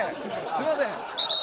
すいません。